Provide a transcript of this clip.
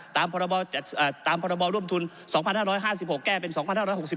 ตามพรบร่วมทุน๒๕๕๖แก้เป็น๒๕๖๒เลยนะครับ